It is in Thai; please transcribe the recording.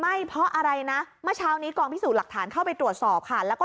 ไฟไหม้เพราะอะไรนะเมื่อเช้านี้กลางพิศูนย์หลักฐานเข้าไปตรวจสอบค่ะ